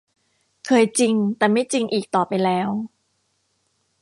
เคยจริงแต่ไม่จริงอีกต่อไปแล้ว